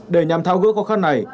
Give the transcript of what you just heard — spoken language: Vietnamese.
để nhằm thao gỡ khó khăn này